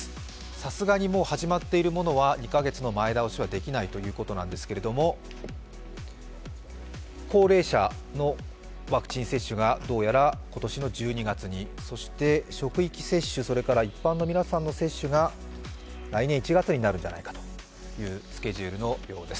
さすがにもう始まっているものは２カ月の前倒しはできないということなんですけれども、高齢者のワクチン接種がどうやら今年の１２月に職域接種、一般の皆さんの接種が来年１月になるんじゃないかというスケジュールのようです。